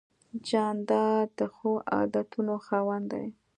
جانداد د ښو عادتونو خاوند دی.